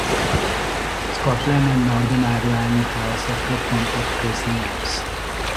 Scotland and Northern Ireland have separate contact tracing apps.